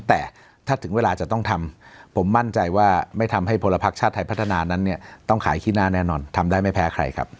แต่ถ้าถึงเวลาจะต้องทำผมมั่นใจว่าไม่ทำให้พลภักดิชาติไทยพัฒนานั้นเนี่ยต้องขายขี้หน้าแน่นอนทำได้ไม่แพ้ใครครับ